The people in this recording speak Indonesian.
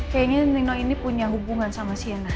kayaknya nino ini punya hubungan sama siana